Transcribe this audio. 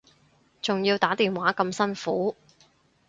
仲要打電話咁辛苦